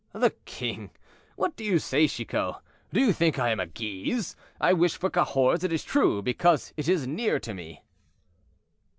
"The king! what do you say, Chicot? Do you think I am a Guise? I wish for Cahors, it is true, because it is near to me."